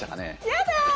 やだ！